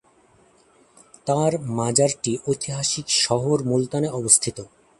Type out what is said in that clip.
তাঁর মাজারটি ঐতিহাসিক শহর মুলতানে অবস্থিত।